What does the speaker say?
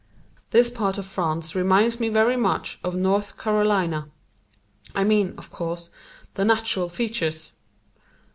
This part of France reminds me very much of North Carolina. I mean, of course, the natural features.